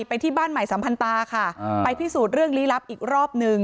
ไปที่บ้านใหม่สัมพันตาค่ะไปพิสูจน์เรื่องลี้ลับอีกรอบหนึ่ง